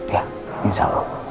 ya insya allah